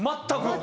全く。